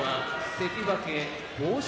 関脇豊昇